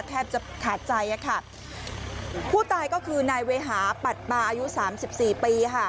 แทบจะขาดใจอะค่ะผู้ตายก็คือนายเวหาปัดปาอายุสามสิบสี่ปีค่ะ